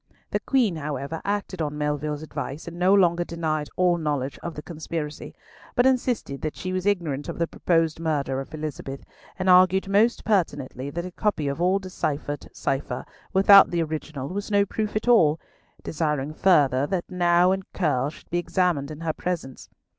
The Queen, however, acted on Melville's advice, and no longer denied all knowledge of the conspiracy, but insisted that she was ignorant of the proposed murder of Elizabeth, and argued most pertinently that a copy of a deciphered cipher, without the original, was no proof at all, desiring further that Nau and Curll should be examined in her presence.